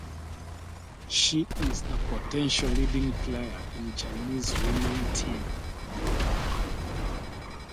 She is the potential leading player in Chinese woman team.